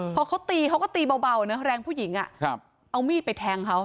พอเขาตีเขาก็ตีเบาเบาเนอะแรงผู้หญิงอ่ะครับเอามีดไปแทงเขา